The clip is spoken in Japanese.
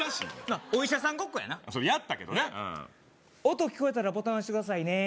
あっお医者さんごっこやなやったけどな音聞こえたらボタン押してくださいね